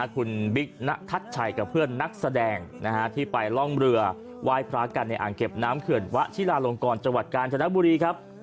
คุณบิ๊กณทัศน์ชัยกับเพื่อนนักแสดงที่ไปร่องเรือไหว้พระกันในอ่างเก็บน้ำเขื่อนวะชิลาลงกรจังหวัดกาญจนบุรีครับ